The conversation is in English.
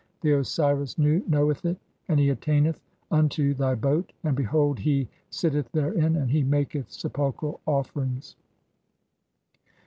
'The Osiris Nu knoweth it, and he attaineth unto thy boat, '(38) and behold he [sitteth] therein ; and he maketh sepulchral 'offerings."